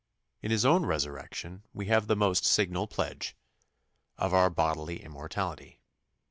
In His own resurrection we have the most signal pledge of our bodily immortality.